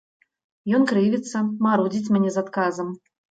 Ён крывіцца, марудзіць мне з адказам.